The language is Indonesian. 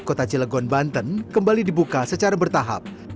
kota cilegon banten kembali dibuka secara bertahap